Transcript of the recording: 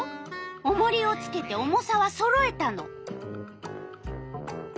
おもりをつけて重さはそろえたの。